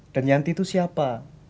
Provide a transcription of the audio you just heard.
dan yanti itu siapa